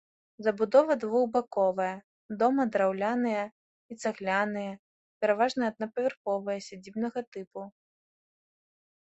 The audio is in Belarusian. Забудова двухбаковая, дома драўляныя і цагляныя, пераважна аднапавярховыя, сядзібнага тыпу.